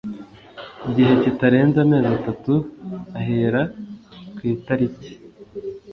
Gihe kitarenze amezi atatu ahera ku itariki